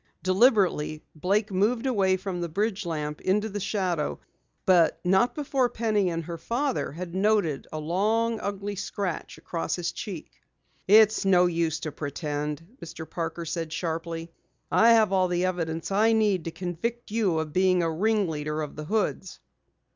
Deliberately Blake moved away from the bridge lamp into the shadow, but not before both Penny and her father had noted a long, ugly scratch across his cheek. "It's no use to pretend," Mr. Parker said sharply. "I have all the evidence I need to convict you of being a ringleader of the Hoods."